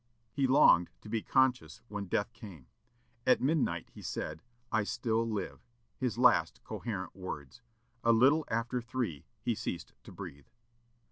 He longed to be conscious when death came. At midnight he said, "I still live," his last coherent words. A little after three he ceased to breathe.